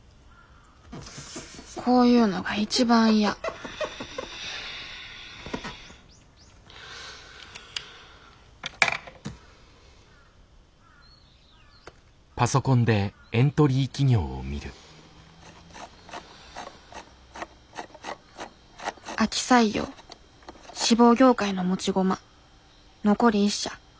こういうのが一番嫌秋採用志望業界の持ち駒残り１社。